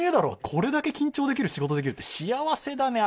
これだけ緊張できる仕事できるって幸せだね